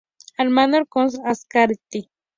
Armando Artola Azcárate.